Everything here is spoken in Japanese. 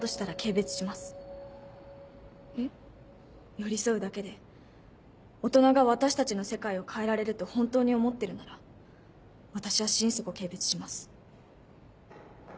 寄り添うだけで大人が私たちの世界を変えられると本当に思ってるなら私は心底軽蔑します。